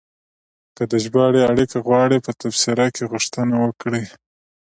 که د ژباړې اړیکه غواړئ، په تبصره کې غوښتنه وکړئ.